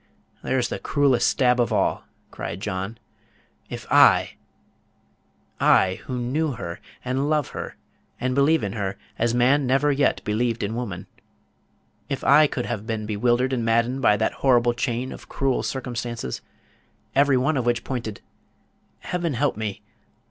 there's the cruelest stab of all," cried John; "if I I, who know her, and love her, and believe in her as man never yet believed in woman if I could have been bewildered and maddened by that horrible chain of cruel circumstances, every one of which pointed Heaven help me!